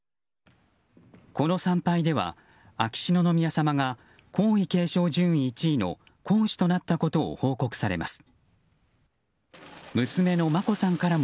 この参拝では秋篠宮さまが皇位継承順位１位の皇嗣となったことを報告されます。